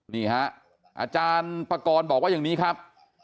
นี่ฮะอาจารย์ปกรณ์บอกว่าอย่างนี้ครับ